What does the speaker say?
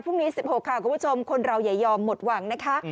พรุ่งนี้๑๖ค่ะคุณผู้ชมคนเราอย่ายอมหมดหวังนะคะ